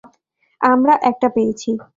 আমরা একটা পেয়েছি!